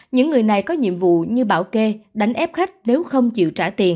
những người này có nhiệm vụ như bảo kê đánh ép khách nếu không chịu